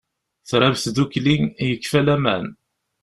Trab tdukli, yekfa laman.